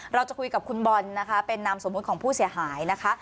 เราจะคุยกับคุณบอลนะคะเป็นนามสมมุติของผู้เสียหายนะคะ